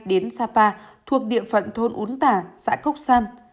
đến sapa thuộc địa phận thôn ún tà xã cốc san